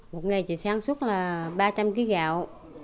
một ngày chị sáng suất là ba trăm linh kg gạo